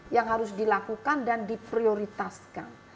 yang harus dilakukan dan diprioritaskan